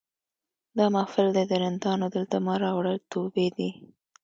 دا محفل دی د رندانو دلته مه راوړه توبې دي